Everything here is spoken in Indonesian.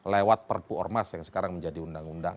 lewat perpu ormas yang sekarang menjadi undang undang